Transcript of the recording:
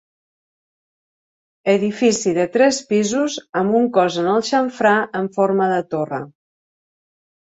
Edifici de tres pisos, amb un cos en el xamfrà en forma de torre.